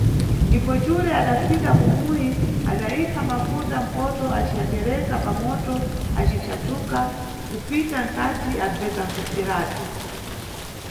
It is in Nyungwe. Ndipo xule adafika kumuyi adayikha mafuta mphoto aciyatereka pamoto aci chathuka kupita nkati abveka khupseratu.